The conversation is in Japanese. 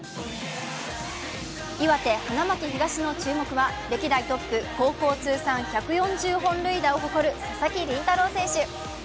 岩手・花巻東の注目は歴代トップ、高校通算１４０本塁打を誇る佐々木麟太郎選手。